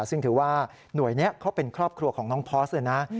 ซึ่งถือว่าหน่วยนี้เขาเป็นครอบครัวของน้องพอร์สเลยนะ